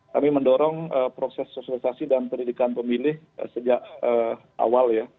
kami mendorong proses sosialisasi dan pendidikan pemilih sejak awal ya